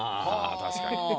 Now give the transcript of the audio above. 確かに。